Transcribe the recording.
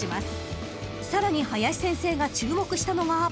［さらに林先生が注目したのは］